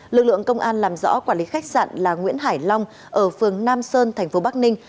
lực lượng công an làm rõ quản lý khách sạn là nguyễn hải long ở phường nam sơn thành phố bắc ninh